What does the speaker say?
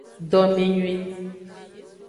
Domenyuie.